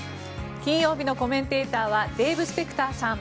金曜日のコメンテーターはデーブ・スペクターさん。